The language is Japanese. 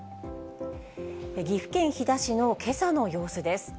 岐阜県飛騨市のけさの様子です。